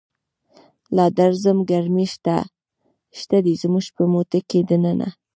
لادرزم ګرمی شته دی، زموږ په مټوکی دننه